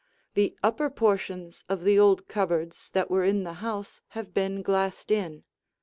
The upper portions of the old cupboards that were in the house have been glassed in.